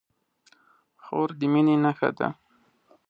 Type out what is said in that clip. خور د مینې نښه ده.